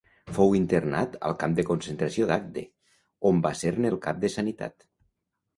Fou internat al camp de concentració d'Agde on va ser-ne el cap de Sanitat.